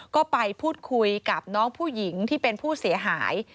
ก็ไปพูดคุยกับน้องผู้หญิงที่เป็นผู้เสียหาย